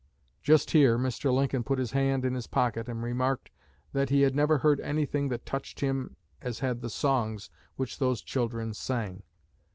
Just here Mr. Lincoln put his hand in his pocket, and remarked that he had never heard anything that touched him as had the songs which those children sang.